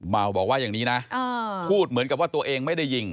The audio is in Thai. เมาบอกว่าอย่างนี้นะพูดเหมือนกับว่าตัวเองไม่ได้ยิง